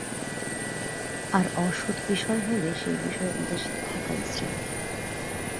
আর অসৎ বিষয় হইলে সেই বিষয়ে উদাসীন থাকাই শ্রেয়ঃ।